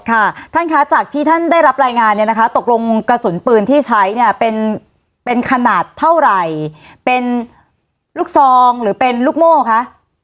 ค่ะท่านคะจากที่ท่านได้รับรายงานเนี่ยนะคะตกลงกระสุนปืนที่ใช้เนี่ยเป็นเป็นขนาดเท่าไหร่เป็นลูกซองหรือเป็นลูกโม่คะ